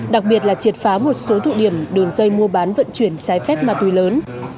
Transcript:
đặc biệt là triệt phá một số thụ điểm đường dây mua bán vận chuyển trái phép ma túy lớn